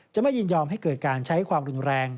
จะไม่ยินยอมให้เกิดการใช้ความรุนแรง